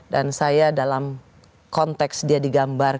dan saya dalam konteks dia digambung